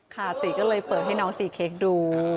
ติก็เลยเปิดให้น้องซีเค้กดู